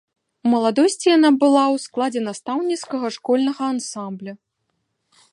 У маладосці яна была ў складзе настаўніцкага школьнага ансамбля.